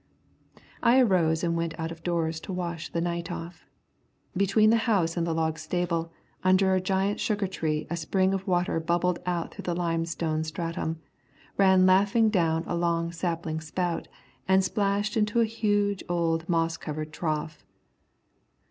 I arose and went out of doors to wash the night off. Between the house and the log stable, under a giant sugar tree a spring of water bubbled out through the limestone stratum, ran laughing down a long sapling spout, and splashed into a huge old moss covered trough.